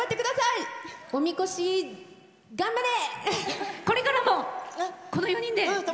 おみこし、頑張れ！